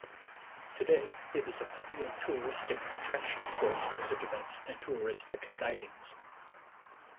Today it is a popular touristic attraction for its music-events and touristic guidings.